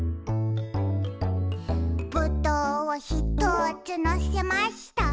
「ぶどうをひとつのせました」